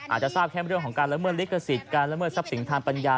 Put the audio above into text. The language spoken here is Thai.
อาจจะทราบแค่เรื่องของการละเมิดลิขสิทธิ์การละเมิดทรัพย์สินทางปัญญา